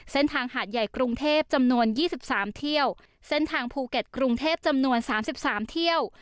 เส้นทางหาดใหญ่กรุงเทพจำนวนยี่สิบสามเที่ยวเส้นทางภูเก็ตกรุงเทพจำนวนสามสิบสามเที่ยว